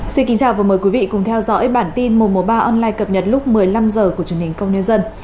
xin kính chào và mời quý vị cùng theo dõi bản tin mùa ba online cập nhật lúc một mươi năm h của truyền hình công nhân dân